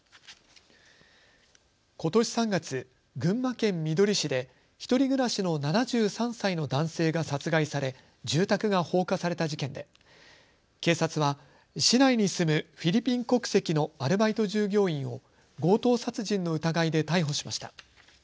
ことし３月、群馬県みどり市で１人暮らしの７３歳の男性が殺害され住宅が放火された事件で警察は市内に住むフィリピン国籍のアルバイト従業員を強盗殺人の疑いで逮捕しました。